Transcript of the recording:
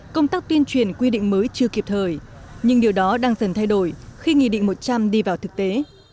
công tác tuyên truyền quy định mới chưa kịp thời nhưng điều đó đang dần thay đổi khi nghị định một trăm linh đi vào thực tế